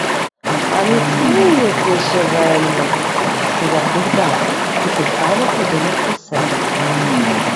— А міцний єси ще вельми, — сказав Богдан, і те саме подумав про себе.